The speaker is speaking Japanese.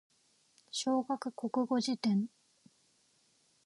小学国語辞典